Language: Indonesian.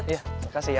terima kasih ya